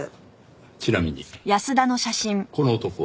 ちなみにこの男は？